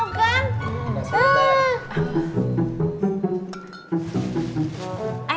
eh aku yang buahnya loh